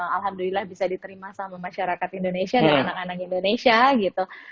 alhamdulillah bisa diterima sama masyarakat indonesia dan anak anak indonesia gitu